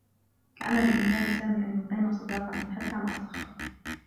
كان بإمكان سامي أن يقيم صداقة حتّى مع صخرة.